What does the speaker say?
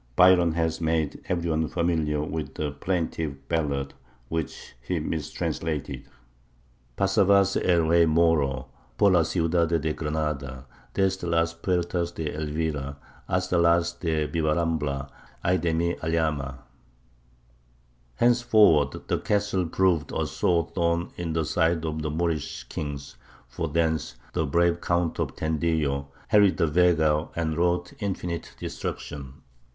Byron has made every one familiar with the plaintive ballad which he mistranslated: Pasavase el rey Moro Por la ciudad de Granada, Desde las puertas de Elvira Hasta las de Bivarambla. Ay de mi Alhama! Henceforward, the castle proved a sore thorn in the side of the Moorish kings; for thence the brave Count of Tendillo harried the Vega and wrought infinite destruction.